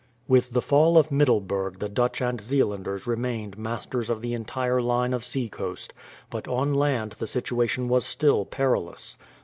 With the fall of Middleburg the Dutch and Zeelanders remained masters of the entire line of sea coast, but on land the situation was still perilous.